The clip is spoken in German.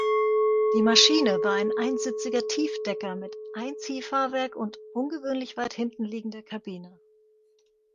Die Maschine war ein einsitziger Tiefdecker mit Einziehfahrwerk und ungewöhnlich weit hinten liegender Kabine.